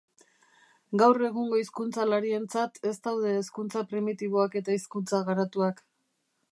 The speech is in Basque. Gaur egungo hizkuntzalarientzat ez daude hizkuntza primitiboak eta hizkuntza garatuak.